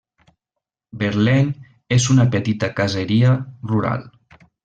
Verlaine és una petita caseria rural.